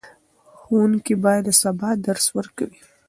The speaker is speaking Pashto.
ښوونکي به سبا درس ورکوي.